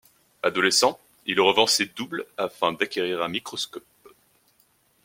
Adolescent, il revend ses doubles afin d'acquérir un microscope.